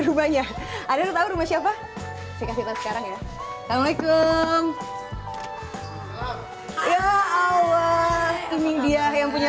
rumahnya ada tahu rumah siapa sekarang ya assalamualaikum ya allah ini dia yang punya